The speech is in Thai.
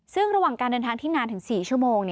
ซึ่งระหว่างการเดินทางที่นานถึง๔ชั่วโมง